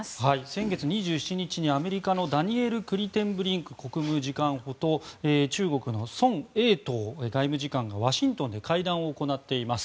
先月２７日にアメリカのダニエル・クリテンブリンク国務次官補と中国のソン・エイトウ外務次官がワシントンで会談を行っています。